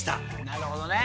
なるほどね。